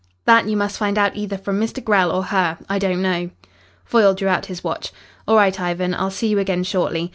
"That you must find out either from Mr. Grell or her. I don't know." Foyle drew out his watch. "All right, Ivan. I'll see you again shortly.